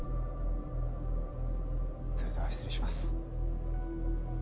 それでは失礼します。